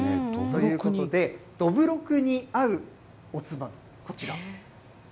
ということで、どぶろくに合うおつまみ、こちら。